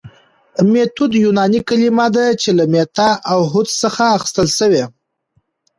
ميتود يوناني کلمه ده چي له ميتا او هودس څخه اخستل سوي